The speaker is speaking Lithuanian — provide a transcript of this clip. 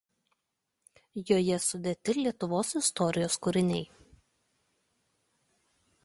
Joje sudėti Lietuvos istorijos kūriniai.